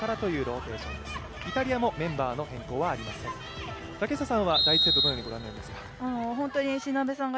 イタリアもメンバーの変更はありません。